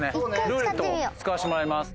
「ルーレット」を使わせてもらいます。